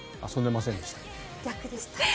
逆でした。